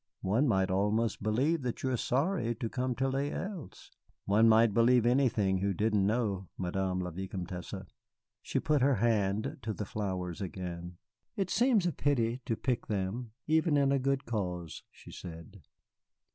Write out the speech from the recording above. One might almost believe that you are sorry to come to Les Îles." "One might believe anything who didn't know, Madame la Vicomtesse." She put her hand to the flowers again. "It seems a pity to pick them, even in a good cause," she said.